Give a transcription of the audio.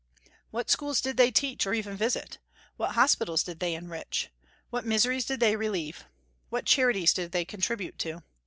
What schools did they teach or even visit? What hospitals did they enrich? What miseries did they relieve? What charities did they contribute to?